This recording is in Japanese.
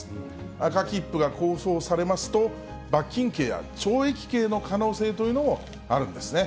赤切符が交付をされますと、罰金刑や懲役刑の可能性というのもあるんですね。